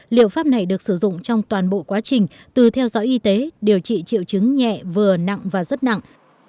liệu pháp này được sử dụng trong toàn bộ quá trình từ theo dõi y tế điều trị triệu chứng nhẹ vừa nặng và rất nặng